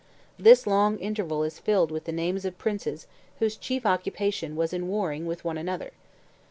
This long interval is filled with the names of princes whose chief occupation was in warring with one another.